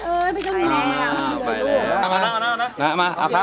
เอาให้เนาะ